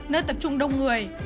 nơi tập trung đông người